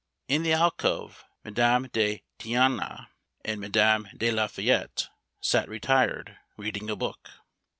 In the alcove, Madame de Thianges and Madame de la Fayette sat retired, reading a book.